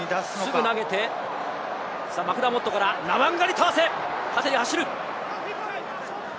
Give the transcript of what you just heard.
すぐ投げて、マクダーモットからナワンガニタワセ、縦に走る。